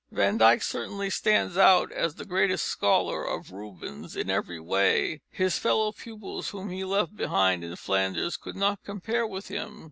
Van Dyck certainly stands out as the greatest scholar of Rubens in every way. His fellow pupils whom he left behind in Flanders could not compare with him.